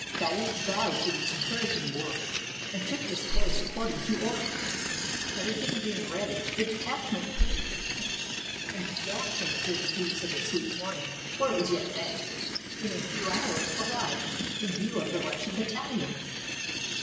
Thaddeus bowed to these encouraging words, and took his place according to order. Everything being ready, the detachment quitted the camp, and dashing through the dews of a sweet morning (for it was yet May) in a few hours arrived in view of the Russian battalions.